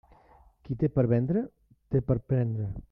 Qui té per vendre, té per prendre.